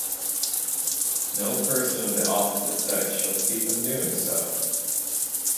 No person of the opposite sex shall see them doing so.